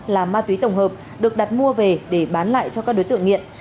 là ma túy tổng hợp được đặt mua về để bán lại cho các đối tượng nghiện